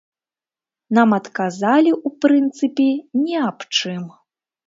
Нам адказалі, у прынцыпе, ні аб чым.